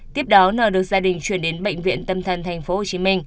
tiếp đó nở được gia đình chuyển đến bệnh viện tâm thân tp hcm